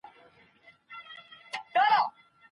کوربه هیواد نړیوال ملاتړ نه هیروي.